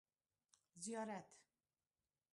زيارت